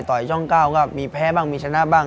ช่อง๙ก็มีแพ้บ้างมีชนะบ้าง